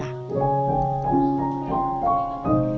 pernahkah kamu pergi ke kamar